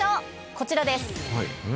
こちらです。